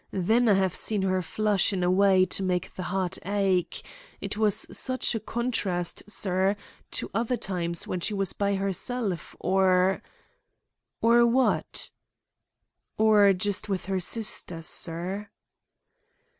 Then I have seen her flush in a way to make the heart ache; it was such a contrast, sir, to other times when she was by herself or—" "Or what?" "Or just with her sister, sir."